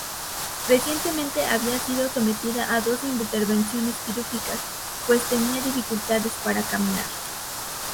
Recientemente había sido sometida a dos intervenciones quirúrgicas pues tenía dificultades para caminar.